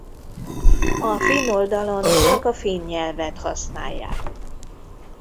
A finn oldalon csak a finn nyelvet használják.